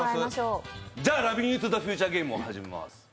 じゃあ「ラビニュートゥーザフューチャーゲーム」を始めます。